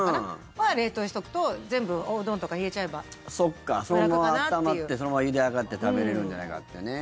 は冷凍しておくと全部おうどんとかに入れちゃえばそのまま温まってそのままゆで上がって食べれるんじゃないかっていう。